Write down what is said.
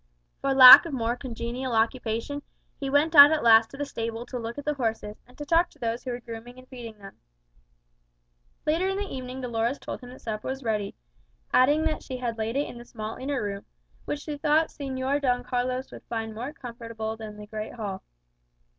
For lack of more congenial occupation, he went out at last to the stable to look at the horses, and to talk to those who were grooming and feeding them. Later in the evening Dolores told him that supper was ready, adding that she had laid it in the small inner room, which she thought Señor Don Carlos would find more comfortable than the great hall.